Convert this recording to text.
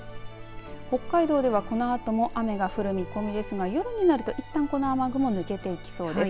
北海道では、このあとも雨が降る見込みですが夜になるといったん、この雨雲抜けてきそうです。